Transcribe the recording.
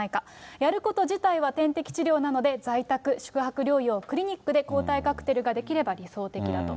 やること自体は点滴治療なので、在宅、宿泊療養、クリニックで抗体カクテルができれば理想的だと。